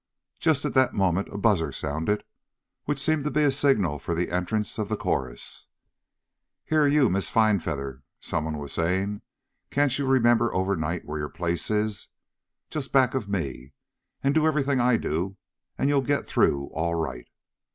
Just at that moment a buzzer sounded, which seemed to be a signal for the entrance of the chorus. "Here you, Miss Finefeather," someone was saying, "can't you remember overnight where your place is? Just back of me, and do everything I do and you'll get through all right."